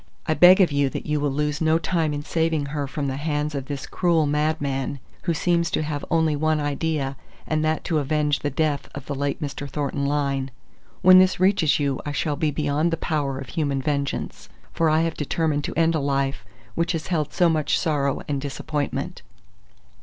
I beg of you that you will lose no time in saving her from the hands of this cruel madman, who seems to have only one idea, and that to avenge the death of the late Mr. Thornton Lyne. When this reaches you I shall be beyond the power of human vengeance, for I have determined to end a life which has held so much sorrow and disappointment.